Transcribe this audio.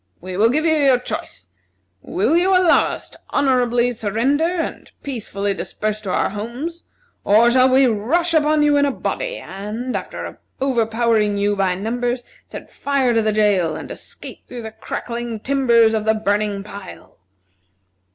We will give you your choice: Will you allow us to honorably surrender, and peacefully disperse to our homes, or shall we rush upon you in a body, and, after overpowering you by numbers, set fire to the jail, and escape through the crackling timbers of the burning pile?"